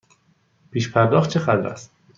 پیش پرداخت چقدر است؟